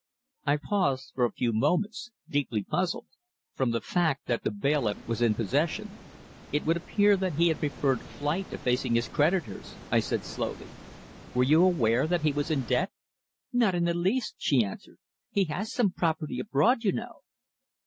I paused for a few moments, deeply puzzled. "From the fact that the bailiff was in possession it would appear that he had preferred flight to facing his creditors," I said slowly. "Were you aware that he was in debt?" "Not in the least," she answered. "He has some property abroad, you know."